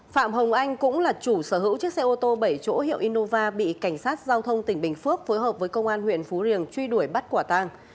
phạm hồng anh cũng là chủ sở hữu chiếc xe ô tô bảy chỗ hiệu inova bị cảnh sát giao thông tỉnh bình phước phối hợp với công an huyện phú riềng truy đuổi bắt quả tàng